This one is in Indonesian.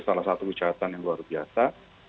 salah satu kejahatan yang luar biasa